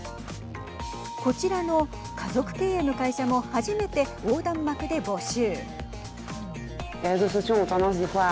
こちらの家族経営の会社も初めて横断幕で募集。